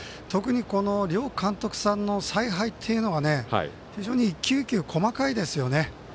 両監督さんの采配というのが非常に一球一球細かいですよね。